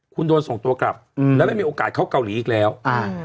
คุณโดนส่งตัวกลับอืมแล้วไม่มีโอกาสเข้าเกาหลีอีกแล้วอ่า